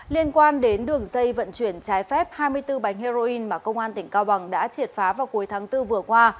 liên quan đến đường dây vận chuyển trái phép hai mươi bốn bánh heroin mà công an tỉnh cao bằng đã triệt phá vào cuối tháng bốn vừa qua